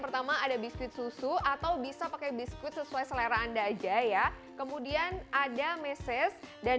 pertama ada biskuit susu atau bisa pakai biskuit sesuai selera anda aja ya kemudian ada meses dan